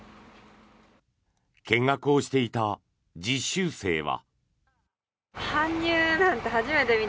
見学をしていた実習生は。